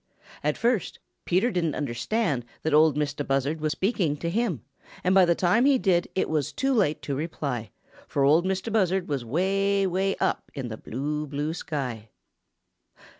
At first Peter didn't understand that Ol' Mistah Buzzard was speaking to him, and by the time he did it was too late to reply, for Ol' Mistah Buzzard was way, way up in the blue, blue sky.